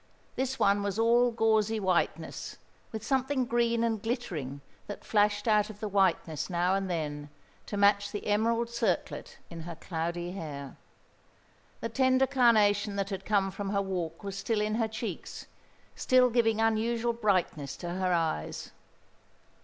This one was all gauzy whiteness, with something green and glittering that flashed out of the whiteness now and then, to match the emerald circlet in her cloudy hair. The tender carnation that had come from her walk was still in her cheeks, still giving unusual brightness to her eyes.